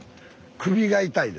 首が痛い。